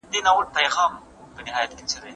ارغنداب د وطن د تاریخ یوه برخه ده.